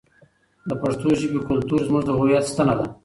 د پښتو ژبې کلتور زموږ د هویت ستنه ده.